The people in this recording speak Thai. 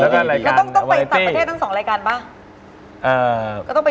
แล้วก็รายการไวร์ไตตี้